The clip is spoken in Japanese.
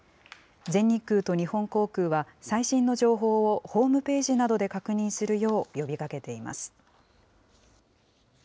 全日空と日本航空は、最新の情報をホームページなどで確認するよう呼びかけています。